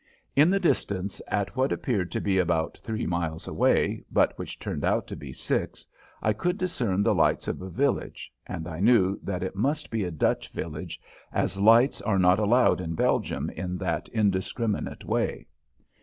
In the distance, at what appeared to be about three miles away, but which turned out to be six, I could discern the lights of a village, and I knew that it must be a Dutch village, as lights are not allowed in Belgium in that indiscriminate way.